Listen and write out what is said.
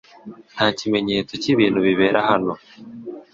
Nta kimenyetso cyibintu bibera hano.